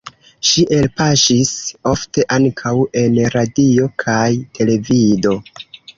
Ŝi elpaŝis ofte ankaŭ en radio kaj televido.